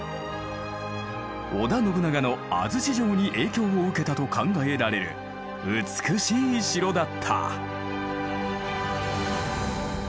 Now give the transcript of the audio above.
織田信長の安土城に影響を受けたと考えられる美しい城だった。